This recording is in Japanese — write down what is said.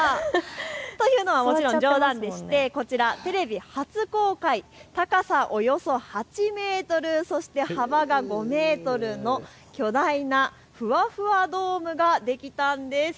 というのはもちろん冗談でこちらテレビ初公開、高さおよそ８メートル、そして幅は５メートルの巨大なふわふわドームができたんです。